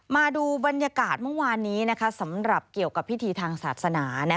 มาดูบรรยากาศเมื่อวานนี้สำหรับเกี่ยวกับพิธีทางศาสนา